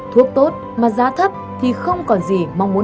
thuốc tốt mà giá thấp thì không còn gì